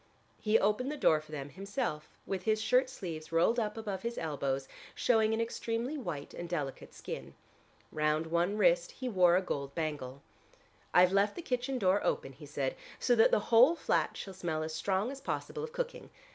He opened the door for them himself with his shirt sleeves rolled up above his elbows, showing an extremely white and delicate skin. Round one wrist he wore a gold bangle. "I've left the kitchen door open," he said, "so that the whole flat shall smell as strong as possible of cooking.